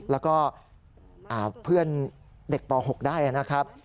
แล้วก็เพื่อนเด็กป๖ได้นะครับ